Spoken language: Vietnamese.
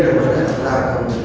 tổng nhất của phù hợp